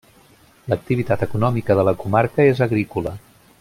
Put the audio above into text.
L'activitat econòmica de la comarca és agrícola.